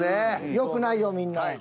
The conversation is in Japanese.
よくないよみんな。